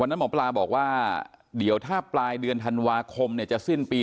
นั้นหมอปลาบอกว่าเดี๋ยวถ้าปลายเดือนธันวาคมจะสิ้นปี